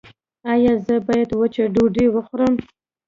ایا زه باید وچه ډوډۍ وخورم؟